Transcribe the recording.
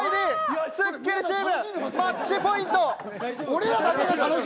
スッキリチーム、マッチポイント！